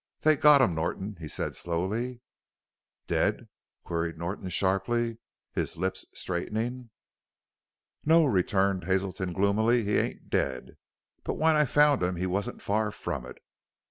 "They got him, Norton," he said slowly. "Dead?" queried Norton sharply, his lips straightening. "No," returned Hazelton gloomily; "he ain't dead. But when I found him he wasn't far from it.